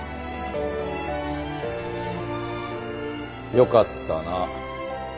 よかったな。